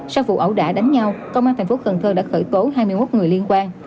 sau vụ ẩu đả đánh nhau công an thành phố cần thơ đã khởi tố hai mươi một người liên quan